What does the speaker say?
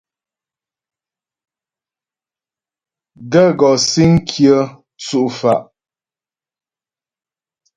Gaə̂ gɔ́ síŋ kyə tsʉ́' fá'.